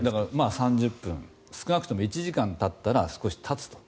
３０分少なくとも１時間たったら少し立つと。